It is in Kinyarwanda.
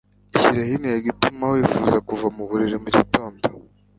ishyirireho intego ituma wifuza kuva mu buriri mu gitondo